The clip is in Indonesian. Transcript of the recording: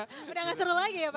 udah gak seru lagi ya pak